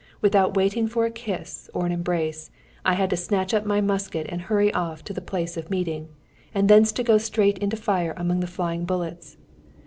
Without waiting for a kiss or an embrace, I had to snatch up my musket and hurry off to the place of meeting, and thence to go straight into fire among the flying bullets.